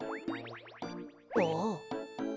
ああ。